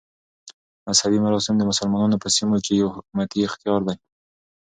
مذهبي مراسم د مسلمانانو په سیمو کښي یو حکومتي اختیار دئ.